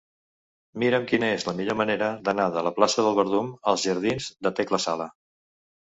Mira'm quina és la millor manera d'anar de la plaça del Verdum als jardins de Tecla Sala.